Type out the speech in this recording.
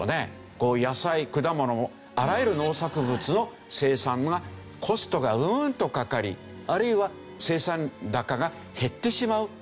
あらゆる農作物の生産がコストがうんとかかりあるいは生産高が減ってしまう。